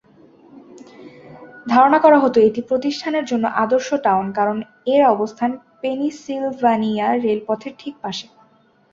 ধারণা করা হতো এটি প্রতিষ্ঠানের জন্য "আদর্শ টাউন" কারণ এর অবস্থান পেনসিলভানিয়া রেলপথের ঠিক পাশে।